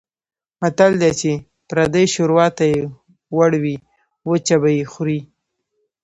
متل دی: چې پردۍ شوروا ته یې وړوې وچه به یې خورې.